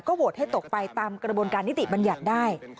โหวตให้ตกไปตามกระบวนการนิติบัญญัติได้